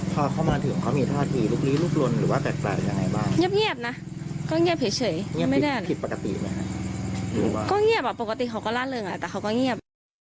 พอเขามาถึงเขามีท่าทีลุกลี้ลุกลนหรือว่าแตกต่างยังไงบ้างเงียบนะก็เงียบเฉยเงียบไม่ได้อะไรผิดปกติไหมครับก็เงียบอ่ะปกติเขาก็ล่าเริงแต่เขาก็เงียบ